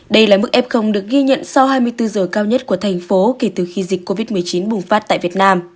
đây là mức f được ghi nhận sau hai mươi bốn giờ cao nhất của thành phố kể từ khi dịch covid một mươi chín bùng phát tại việt nam